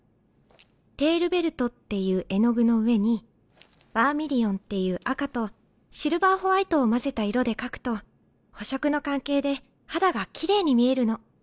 テールベルトっていう絵の具の上にバーミリオンっていう赤とシルバーホワイトを混ぜた色で描くと補色の関係で肌がきれいに見えるの。